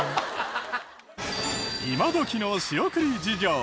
今どきの仕送り事情。